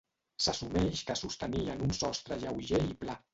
S'assumeix que sostenien un sostre lleuger i pla.